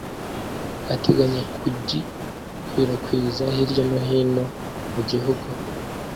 ateganya kugikwirakwiza hirya no hino mu gihugu